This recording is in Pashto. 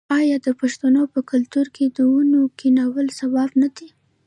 آیا د پښتنو په کلتور کې د ونو کینول ثواب نه دی؟